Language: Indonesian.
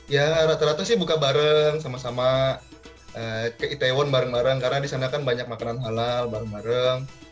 ya rata rata sih buka bareng sama sama ke itaewon bareng bareng karena di sana kan banyak makanan halal bareng bareng